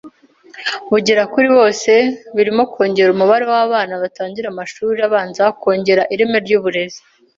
bugere kuri bose birimo kongera umubare w abana batangira amashuri abanza kongera ireme ry uburezi